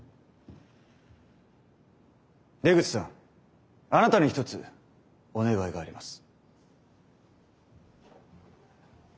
出口さんあなたに一つお願いがあります。